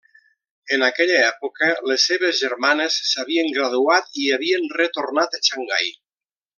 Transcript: En aquella època les seves germanes s'havien graduat i havien retornat a Xangai.